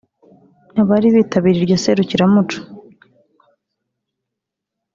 Abari bitabiriye iryo serukiramuco